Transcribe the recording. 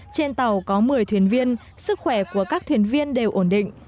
trên tàu có một mươi thuyền viên sức khỏe của các thuyền viên đều ổn định